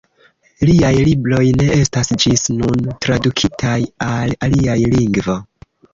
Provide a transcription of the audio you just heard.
Liaj libroj ne estas ĝis nun tradukitaj al alia lingvo.